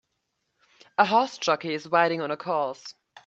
A horse jockey is riding on a course.